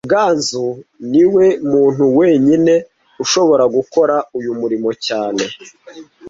Ruganzu niwe muntu wenyine ushobora gukora uyu murimo cyane